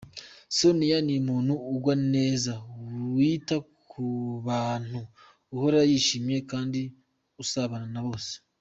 Sonia ni umuntu ugwa neza, wita ku bantu , uhora yishimye kandi usabana na bose.